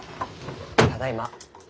ただいま。